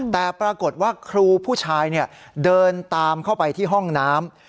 แต่ปรากฏว่าครูผู้ชายเดินตามเข้าไปที่ห้องน้ำ